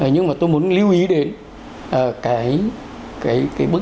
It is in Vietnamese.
nhưng mà tôi muốn lưu ý đến cái bước